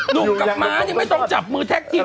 หนุ่มกลับมายังไม่ต้องจับมือแทคทีกัน